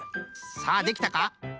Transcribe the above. さあできたか？